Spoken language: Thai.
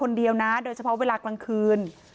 คนเดียวนะโดยเฉพาะเวลากลางคืน